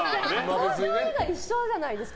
東京以外一緒じゃないですか。